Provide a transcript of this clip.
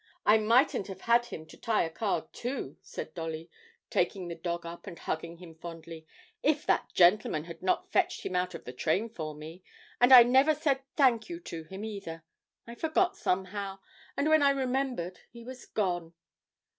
'I mightn't have had him to tie a card to,' said Dolly, taking the dog up and hugging him fondly, 'if that gentleman had not fetched him out of the train for me; and I never said "thank you" to him either. I forgot somehow, and when I remembered he was gone.